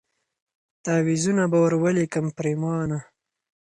تعویذونه به ور ولیکم پرېمانه